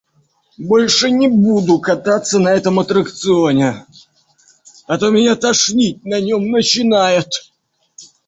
Больше не буду кататься на этом аттракционе, а то меня тошнить на нём начинает.